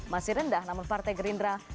masih rendah namun partai gerindra